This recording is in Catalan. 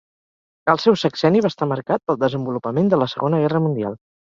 El seu sexenni va estar marcat pel desenvolupament de la Segona Guerra Mundial.